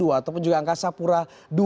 ataupun juga angkasa pura ii